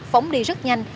phóng đi rất nhanh